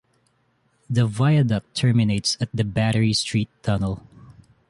The viaduct terminates at the Battery Street Tunnel.